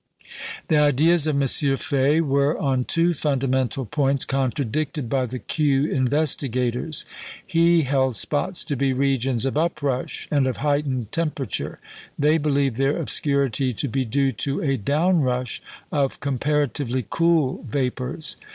The ideas of M. Faye were, on two fundamental points, contradicated by the Kew investigators. He held spots to be regions of uprush and of heightened temperature; they believed their obscurity to be due to a downrush of comparatively cool vapours.